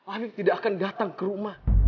habib tidak akan datang ke rumah